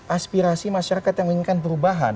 aspirasi masyarakat yang menginginkan perubahan